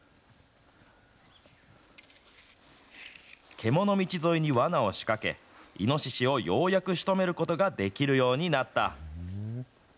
獣道沿いにわなを仕掛け、イノシシをようやくしとめることができるようになった。